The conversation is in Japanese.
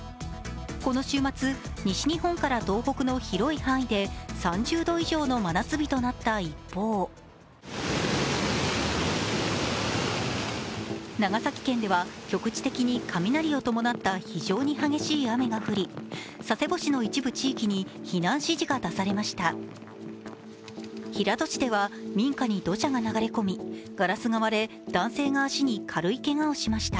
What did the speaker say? この週末、西日本から東北の広い範囲で３０度以上の真夏日となった一方、長崎県では局地的に雷を伴った非常に激しい雨が降り、佐世保市の一部地域に避難指示が出されました平戸市では民家に土砂が流れ込みガラスが割れ、男性が足に軽いけがをしました。